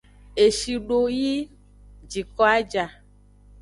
Eshi do yi jiko a ja.